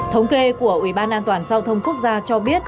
thống kê của ủy ban an toàn giao thông quốc gia cho biết